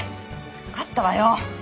分かったわよ。